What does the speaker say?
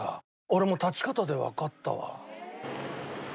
俺もう立ち方でわかったわ。